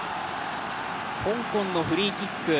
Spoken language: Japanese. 香港のフリーキック。